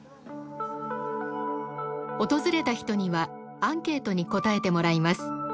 訪れた人にはアンケートに答えてもらいます。